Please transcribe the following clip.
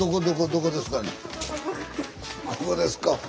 ここですか。